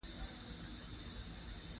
ښارونه د افغانستان د اقلیم ځانګړتیا ده.